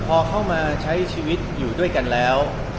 พอเข้ามาใช้ชีวิตอยู่ด้วยกันแล้ว